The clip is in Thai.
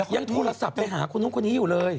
ยังโทรศัพท์ไปหาคนนู้นคนนี้อยู่เลย